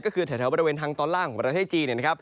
ก็คือแถวบริเวณทางตอนล่างของประเทศจีน